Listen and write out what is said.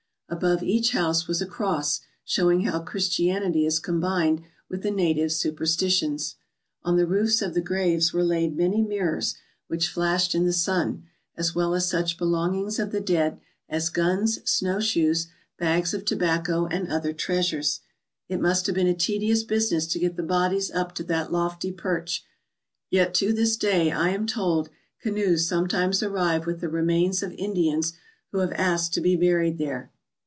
Above each house was a cross, showing how Christianity is combined with the native superstitions. On the roofs of the graves were laid many mirrors, which flashed in the sun, as well as such belongings of the dead as guns, snow shoes, bags of tobacco, and other treasures. It must have been a tedious business to get the bodies up to that lofty perch, yet to this day, I am told, canoes sometimes arrive with the remains of Indians who have asked to be buried there.